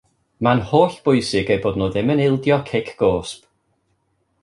Mae'n holl bwysig eu bod nhw ddim yn ildio cic gosb.